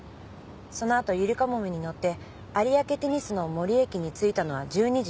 そのあとゆりかもめに乗って有明テニスの森駅に着いたのは１２時４３分。